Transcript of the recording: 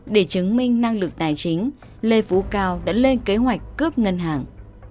để chứng minh năng lực tài chính lê phú cao đã lên kế hoạch cướp ngân hàng